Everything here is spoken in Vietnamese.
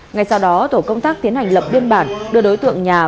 ngay sau đó tổ công tác tiến hành lập biên bản